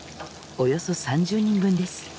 およそ３０人分です。